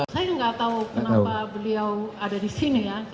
saya nggak tahu kenapa beliau ada di sini ya